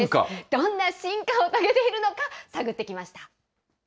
どんな進化を遂げているのか、探ってきました。